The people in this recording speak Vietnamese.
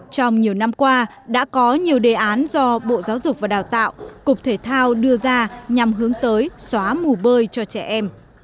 trong nhiều năm qua đã có nhiều đề án do bộ giáo dục và đào tạo cục thể thao đưa ra nhằm hướng tới xóa mù bơi cho trẻ em